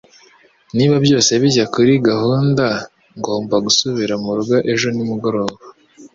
Niba byose bijya kuri gahunda ngomba gusubira murugo ejo nimugoroba